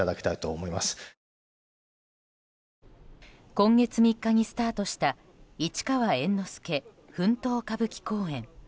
今月３日にスタートした「市川猿之助奮闘歌舞伎公演」。